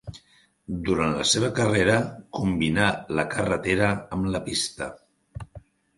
Durant la seva carrera combinà la carretera amb la pista.